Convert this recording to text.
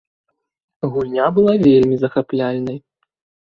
Гульня была вельмі захапляльнай.